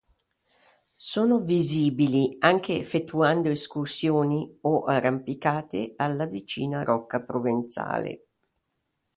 Sono visibili anche effettuando escursioni o arrampicate alla vicina Rocca Provenzale.